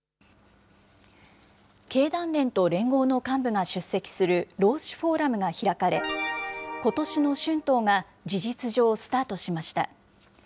経団連と連合の幹部が出席する労使フォーラムが開かれ、ことしの春闘が事実上、スタートしました。